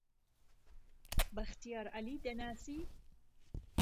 بەختیار عەلی دەناسی؟